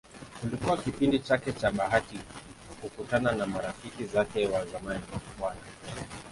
Kilikuwa kipindi chake cha bahati kukutana na marafiki zake wa zamani Bw.